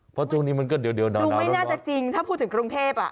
เพราะช่วงนี้มันก็เดี๋ยวนะดูไม่น่าจะจริงถ้าพูดถึงกรุงเทพอ่ะ